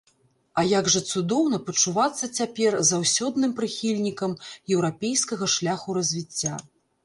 А як жа цудоўна пачувацца цяпер заўсёдным прыхільнікам еўрапейскага шляху развіцця!